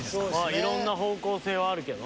いろんな方向性はあるけどな。